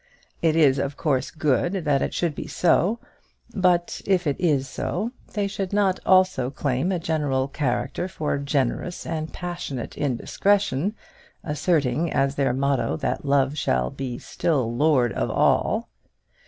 It is, of course, good that it should be so; but if it is so, they should not also claim a general character for generous and passionate indiscretion, asserting as their motto that Love shall still be Lord of All.